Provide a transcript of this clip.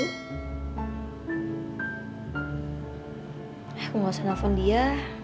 eh aku gak usah telepon dia